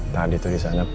tadi tuh disana